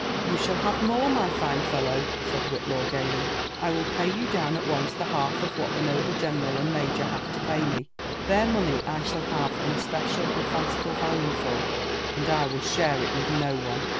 ^ '•You shall have more, my fine fellow," said Whillaw gaily, ^'I will pay you down at once the half of what the noble general and major have to pay me. Their money I shall have an especial and fanciful value for, and I will share it with no one."